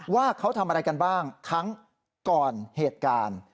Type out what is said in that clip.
ว่าเขาทำอะไรกันบ้างทั้งก่อนเหตุการณ์